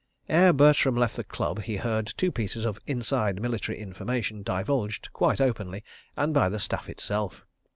Ere Bertram left the Club, he heard two pieces of "inside" military information divulged quite openly, and by the Staff itself.